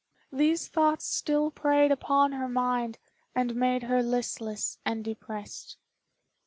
These thoughts still preyed upon her mind, and made her listless and depressed.